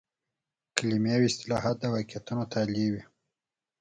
کلمې او اصطلاحات د واقعیتونو تالي وي.